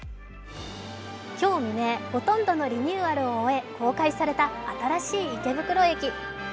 今日未明、ほとんどのリニューアルを終え公開された新しい池袋駅。